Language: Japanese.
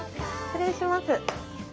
失礼します。